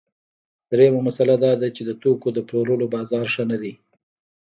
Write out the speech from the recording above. درېیمه مسئله دا ده چې د توکو د پلورلو بازار ښه نه دی